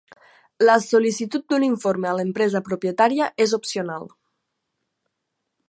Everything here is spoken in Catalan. La sol·licitud d'un informe a l'empresa propietària és opcional.